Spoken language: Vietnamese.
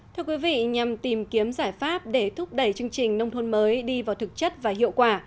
thưa quý vị nhằm tìm kiếm giải pháp để thúc đẩy chương trình nông thôn mới đi vào thực chất và hiệu quả